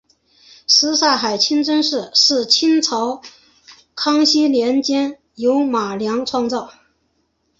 什刹海清真寺是清朝乾隆年间由马良创建。